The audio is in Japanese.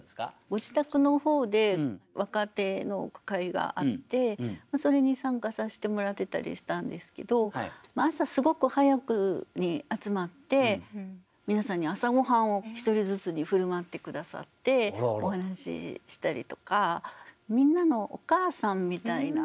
ご自宅の方で若手の句会があってそれに参加させてもらってたりしたんですけど朝すごく早くに集まって皆さんに朝ごはんを一人ずつに振る舞って下さってお話ししたりとか。